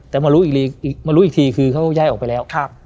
แต่มารู้มารู้อีกทีคือเขาย้ายออกไปแล้ว